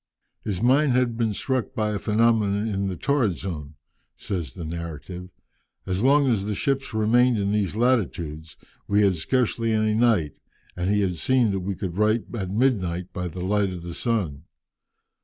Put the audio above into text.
"His mind had been struck by a phenomenon in the torrid zone," says the narrative. "As long as the ships remained in these latitudes, we had had scarcely any night, and he had seen that we could write at midnight by the light of the sun.